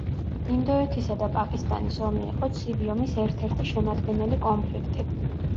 ინდოეთისა და პაკისტანის ომი იყო ცივი ომის ერთ-ერთი შემადგენელი კონფლიქტი.